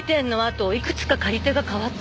いくつか借り手が変わってるみたい。